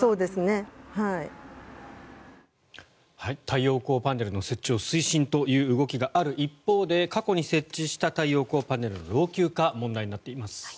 太陽光パネルの設置を推進という動きがある一方で過去に設置した太陽光パネルの老朽化が問題になっています。